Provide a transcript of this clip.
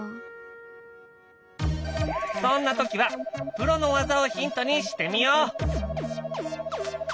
そんな時はプロの技をヒントにしてみよう！